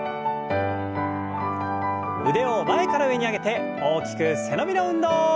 腕を前から上に上げて大きく背伸びの運動。